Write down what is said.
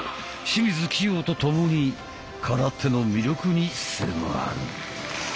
清水希容と共に空手の魅力に迫る。